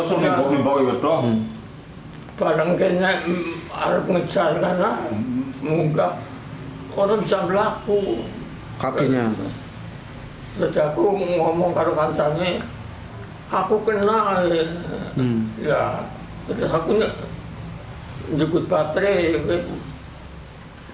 saya pikirup representation n ceremony k check in diiliarikan